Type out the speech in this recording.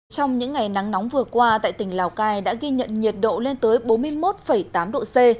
trong những ngày nắng nóng vừa qua tại tỉnh lào cai đã ghi nhận nhiệt độ lên tới bốn mươi một tám độ c